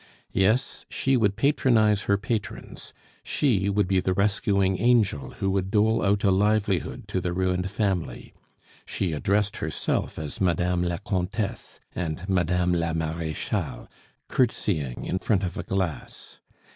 Yes, she would patronize her patrons, she would be the rescuing angel who would dole out a livelihood to the ruined family; she addressed herself as "Madame la Comtesse" and "Madame la Marechale," courtesying in front of a glass.